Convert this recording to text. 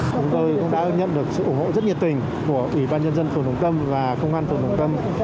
chúng tôi cũng đã nhận được sự ủng hộ rất nhiệt tình của ủy ban nhân dân phường đồng tâm và công an phường đồng tâm